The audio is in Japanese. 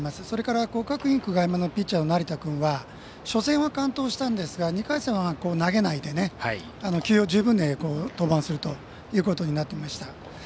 それから、国学院久我山のピッチャーの成田君は初戦は完投したんですが２回戦は投げないで休養十分で登板するということになってました。